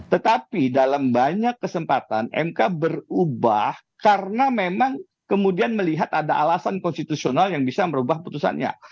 tetapi dalam banyak kesempatan mk berubah karena memang kemudian melihat ada alasan konstitusional yang bisa merubah putusannya